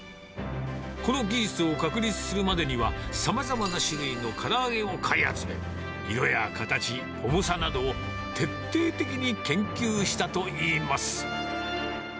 この技術を確立するまでには、さまざまな種類のから揚げを買い集め、色や形、重さなどを徹底的に研究したといいます。